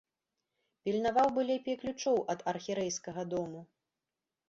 Пільнаваў бы лепей ключоў ад архірэйскага дому.